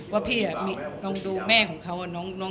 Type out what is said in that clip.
ว่าพี่อะลองดูแม่ของเค้าอะ